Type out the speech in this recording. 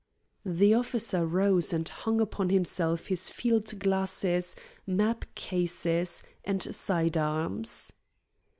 The officer rose and hung upon himself his field glasses, map cases, and side arms.